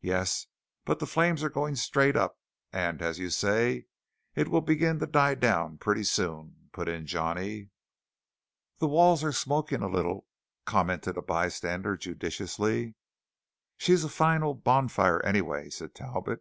"Yes, but the flames are going straight up; and, as you say, it will begin to die down pretty soon," put in Johnny. "The walls are smoking a little," commented a bystander judicially. "She's a fine old bonfire, anyway," said Talbot.